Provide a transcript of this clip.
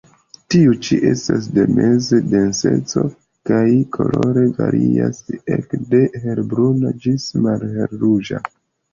Tiu ĉi estas de meza denseco, kaj kolore varias ekde hel-bruna ĝis malhel-ruĝa.